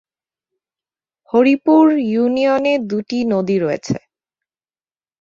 হরিপুর ইউনিয়নে দুইটি নদী রয়েছে।